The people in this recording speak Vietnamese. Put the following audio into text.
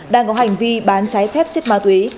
đang có hành vi bán trái phép chất ma túy